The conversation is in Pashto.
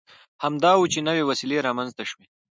همدا و چې نوې وسیلې رامنځته شوې.